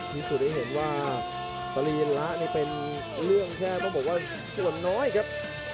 ที่สุดที่เห็นว่าผลิ้รัรรินี้เป็นเรื่องแค่ว่าสวนน้อยครับ